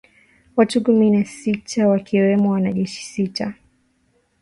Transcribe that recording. Watu kumi na sita wakiwemo wanajeshi tisa